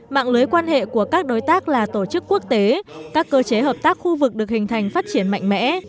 mạng lưới quan hệ của các đối tác là tổ chức quốc tế các cơ chế hợp tác khu vực được hình thành phát triển mạnh mẽ